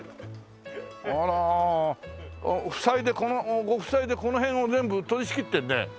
あら夫妻でご夫妻でこの辺を全部取り仕切ってるね。